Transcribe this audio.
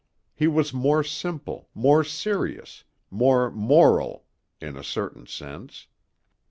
He was more simple, more serious, more moral, in a certain sense.